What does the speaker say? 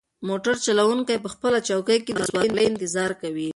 موټر چلونکی په خپله چوکۍ کې د سوارلۍ انتظار کوي.